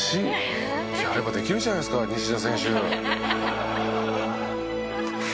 やればできるじゃないですか西田選手。